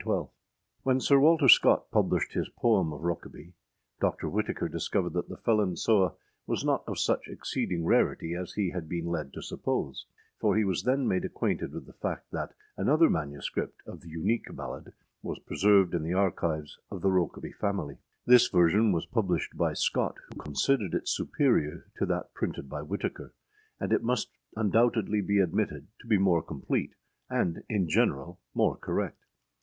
When Sir Walter Scott published his poem of Rokeby, Doctor Whitaker discovered that The Felon Sewe was not of such âexceeding rarityâ as he had been led to suppose; for he was then made acquainted with the fact that another MS. of the âuniqueâ ballad was preserved in the archives of the Rokeby family. This version was published by Scott, who considered it superior to that printed by Whitaker; and it must undoubtedly be admitted to be more complete, and, in general, more correct.